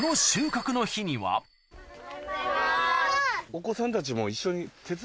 お子さんたちも一緒に。